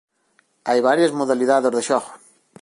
Hai varias modalidades de xogo.